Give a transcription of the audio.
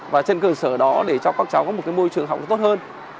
và trên cơ sở đó để cho các cháu có một môi trường học tốt hơn